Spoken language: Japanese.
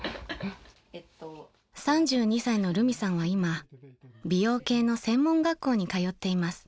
［３２歳のるみさんは今美容系の専門学校に通っています］